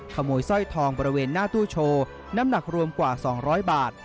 สร้อยทองบริเวณหน้าตู้โชว์น้ำหนักรวมกว่า๒๐๐บาท